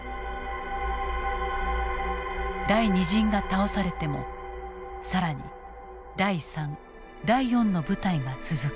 第２陣が倒されても更に第３第４の部隊が続く。